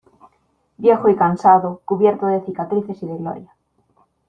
viejo y cansado, cubierto de cicatrices y de gloria